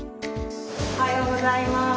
おはようございます。